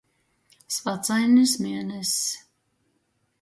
Svacainis mieness.